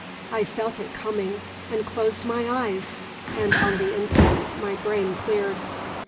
I felt it coming, and closed my eyes; and on the instant my brain cleared.